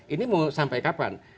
ini mau sampai kapan